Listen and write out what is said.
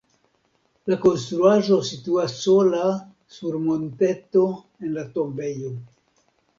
La konstruaĵo situas sola sur monteto en la tombejo.